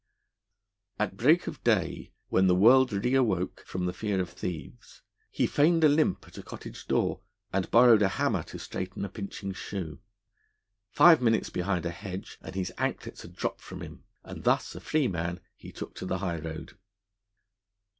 At break of day, when the world re awoke from the fear of thieves, he feigned a limp at a cottage door, and borrowed a hammer to straighten a pinching shoe. Five minutes behind a hedge, and his anklets had dropped from him; and, thus a free man, he took to the high road.